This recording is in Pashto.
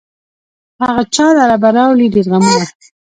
هغه چا لره به راوړي ډېر غمونه